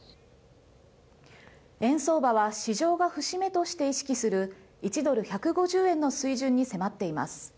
円相場は市場が節目として意識する１ドル１５０円の水準に迫っています。